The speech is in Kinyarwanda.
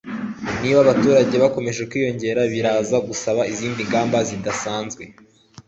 niba abaturage bakomeje kwiyongera biraza gusaba izindi ngamba zidasanzwe